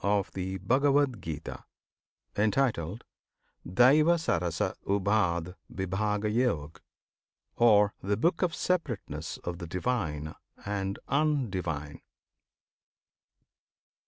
OF THE BHAGAVAD GITA, Entitled "Daivasarasaupadwibhagayog," Or "The Book of the Separateness of the Divine and Undivine."